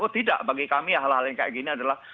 tidak bagi kami hal hal yang seperti ini adalah